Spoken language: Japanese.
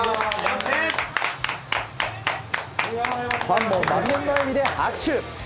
ファンも満面の笑みで拍手。